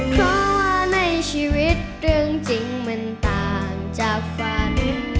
เพราะว่าในชีวิตเรื่องจริงมันต่างจากฝัน